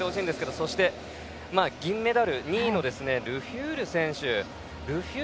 そして銀メダル２位のルフュール選手。